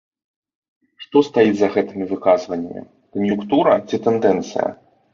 Што стаіць за гэтымі выказванням, кан'юнктура ці тэндэнцыя?